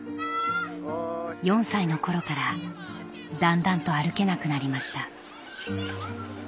４歳の頃からだんだんと歩けなくなりました